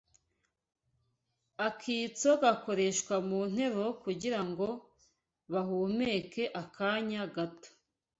Akitso gakoreshwa mu nteruro kugira ngo bahumeke akanya gato